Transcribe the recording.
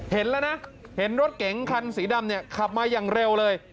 เห็นแล้วนะเห็นรถเก๋งคันสีดำเนี่ยขับมาอย่างเร็วเลย